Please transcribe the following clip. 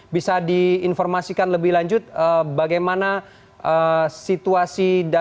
bisa diinformasikan lebih lanjut bagaimana situasi